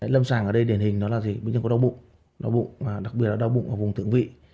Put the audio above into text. lâm sàng ở đây đền hình là bệnh nhân có đau bụng đặc biệt là đau bụng ở vùng thượng vị